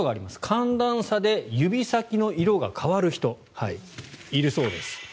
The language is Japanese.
寒暖差で指先の色が変わる人がいるそうです。